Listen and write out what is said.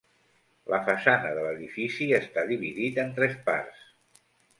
La façana de l'edifici està dividit en tres parts.